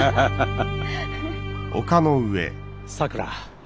さくら。